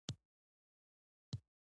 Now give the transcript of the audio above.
تنور د کلیوالو ژوند ارزښتناکه برخه ده